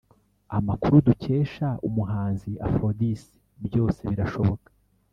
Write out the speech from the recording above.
amakuru dukesha umuhanzi aphrodis byosebirashoboka,